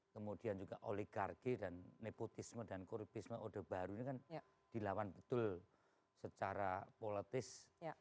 kemudian juga oligarki dan nepotisme dan kuribisme odebaru ini kan dilawan betul secara politis